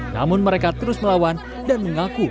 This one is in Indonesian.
namun mereka terus melawan dan mengaku